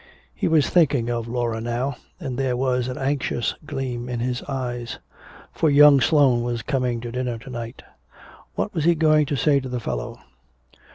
He was thinking of Laura now, and there was an anxious gleam in his eyes. For young Sloane was coming to dinner to night. What was he going to say to the fellow?